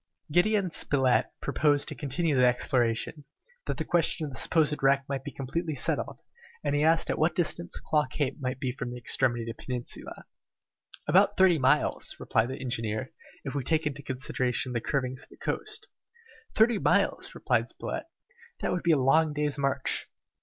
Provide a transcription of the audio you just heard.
Gideon Spilett proposed to continue the exploration, that the question of the supposed wreck might be completely settled, and he asked at what distance Claw Cape might be from the extremity of the peninsula. "About thirty miles," replied the engineer, "if we take into consideration the curvings of the coast." "Thirty miles!" returned Spilett. "That would be a long day's march.